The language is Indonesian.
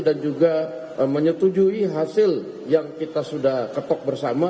dan juga menyetujui hasil yang kita sudah ketok bersama